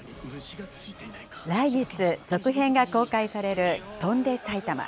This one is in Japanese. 来月、続編が公開される翔んで埼玉。